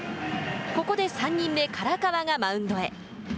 ここで３人目唐川がマウンドへ。